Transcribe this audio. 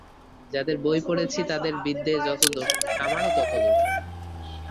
যাদের বই পড়েছি তাদের বিদ্যে যতদূর আমারও ততদূর!